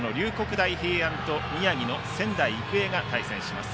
大平安と宮城の仙台育英が対戦します。